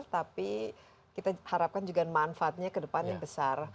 tapi kita harapkan juga manfaatnya kedepannya